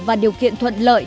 và điều kiện thuận lợi